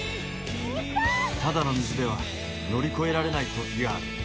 ただの水では乗り越えられない時がある。